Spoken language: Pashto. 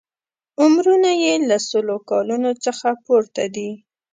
عمرونه یې له سلو کالونو څخه پورته دي.